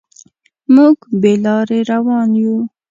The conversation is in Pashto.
موږ بې لارې روان یو.